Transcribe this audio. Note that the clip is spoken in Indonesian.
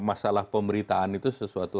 masalah pemerintahan itu sesuatu